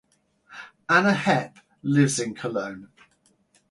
Anna Hepp lives in Cologne.